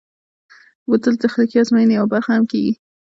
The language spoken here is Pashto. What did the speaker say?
بوتل د تخنیکي ازموینو یوه برخه هم کېږي.